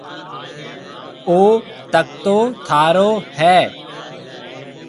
او تڪتو ٿارو هيَ